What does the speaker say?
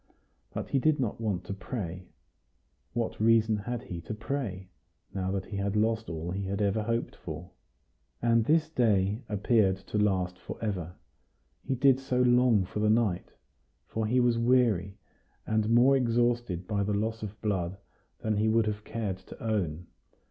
But he did not want to pray. What reason had he to pray, now that he had lost all he had ever hoped for? And this day appeared to last for ever. He did so long for night! for he was weary, and more exhausted by the loss of blood than he would have cared to own.